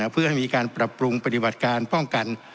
เพื่อให้มีการปรับปรุงปฏิบัติการป้องกัน